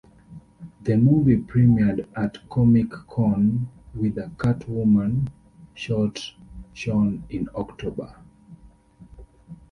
The movie premiered at Comic-Con, with a Catwoman short shown in October.